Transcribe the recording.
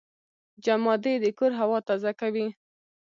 جمادې د کور هوا تازه کوي.